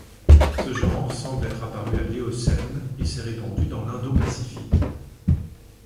Ce genre semble être apparu à l'Éocène, et s'est répandu dans l'Indo-Pacifique.